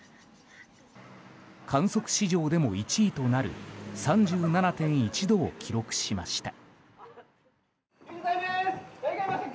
観測史上でも１位となる３７．１度を記録しました。